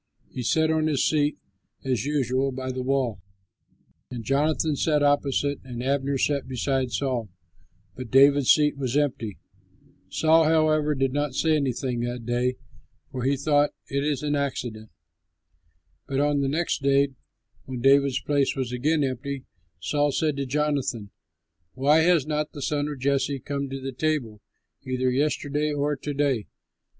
He sat on his seat, as usual, by the wall, and Jonathan sat opposite, and Abner sat beside Saul; but David's seat was empty. Saul, however, did not say anything that day, for he thought, "It is an accident." But on the next day when David's place was again empty, Saul said to Jonathan, "Why has not the son of Jesse come to the table, either yesterday or to day?"